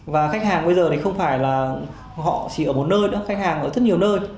và khách hàng bây giờ thì không phải là họ chỉ ở một nơi nữa khách hàng ở rất nhiều nơi